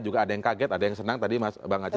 juga ada yang kaget ada yang senang tadi bang aceh